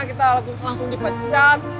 kita langsung dipecat